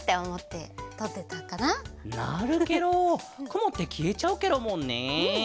くもってきえちゃうケロもんね。